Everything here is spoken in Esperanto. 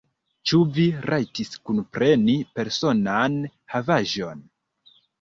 Ĉu vi rajtis kunpreni personan havaĵon?